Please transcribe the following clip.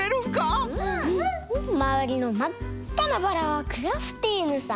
まわりのまっかなバラはクラフティーヌさん。